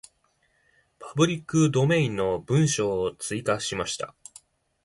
パブリックドメインの文章を追加しました。